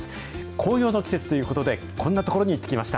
紅葉の季節ということで、こんな所に行ってきました。